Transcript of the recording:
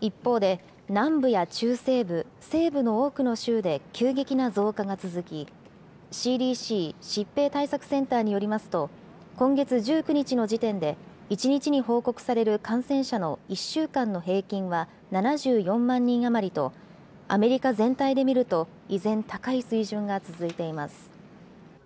一方で、南部や中西部、西部の多くの州で急激な増加が続き、ＣＤＣ・疾病対策センターによりますと、今月１９日の時点で、１日に報告される感染者の１週間の平均は７４万人余りと、アメリカ全体で見ると、依然、高い水準が続いています。